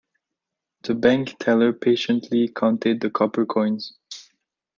The bank teller patiently counted the copper coins.